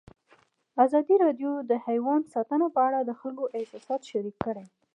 ازادي راډیو د حیوان ساتنه په اړه د خلکو احساسات شریک کړي.